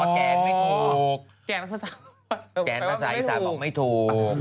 อ๋อแก่นไม่ถูกแก่นบทศัภย์ศาสตร์ออกไม่ถูก